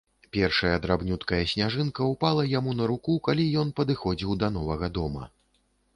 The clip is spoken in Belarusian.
Першая драбнюткая сняжынка ўпала яму на руку, калі ён падыходзіў да новага дома.